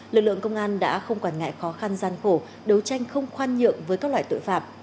lực lượng công an đã không quản ngại khó khăn gian khổ đấu tranh không khoan nhượng với các loại tội phạm